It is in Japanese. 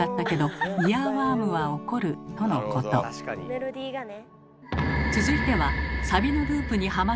メロディーがね。